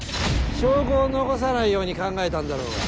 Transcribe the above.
証拠を残さないように考えたんだろうが。